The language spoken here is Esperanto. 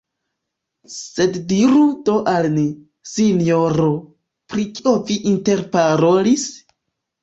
Sed diru do al ni, sinjoro, pri kio vi interparolis?